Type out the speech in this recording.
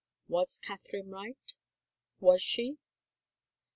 Was Catherine right? Was she?